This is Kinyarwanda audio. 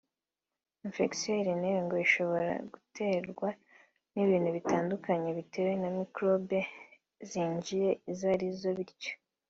Infection urinare ngo ishobora guterwa n’ibintu bitandukanye bitewe na microbe zinjiye izarizo bityo